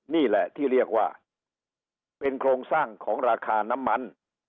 นี่แหละที่เรียกว่าเป็นโครงสร้างของราคาน้ำมัน